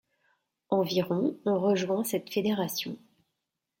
Environ ont rejoint cette fédération.